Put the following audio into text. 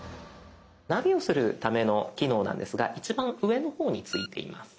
ナビをするための機能なんですが一番上の方についています。